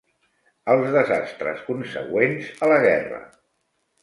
Els desastres consegüents a la guerra.